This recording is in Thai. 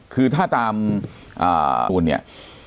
คือถ้าตามคุณเนี่ย